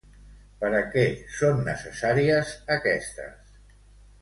Per a què són necessàries aquestes?